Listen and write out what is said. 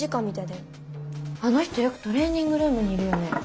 あの人よくトレーニングルームにいるよね。